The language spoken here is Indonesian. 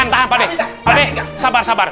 tahan pade sabar sabar